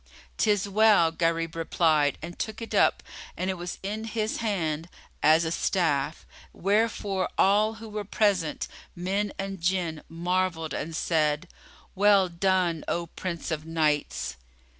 "'Tis well," Gharib replied, and took it up, and it was in his hand as a staff; wherefore all who were present, men and Jinn, marvelled and said, "Well done, O Prince of Knights!"